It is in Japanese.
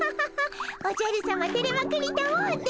おじゃるさまてれまくりたもうて。